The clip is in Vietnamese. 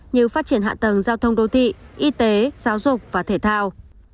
như phát triển hạ tầng giao thông đô thị y tế giáo dục và thể thao